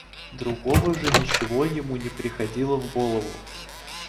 Другого же ничего ему не приходило в голову.